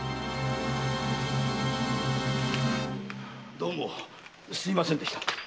どうもすみませんでした。